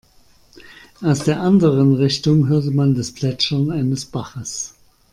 Aus der anderen Richtung hörte man das Plätschern eines Baches.